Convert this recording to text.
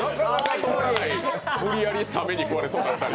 無理やりサメに食われそうになったり。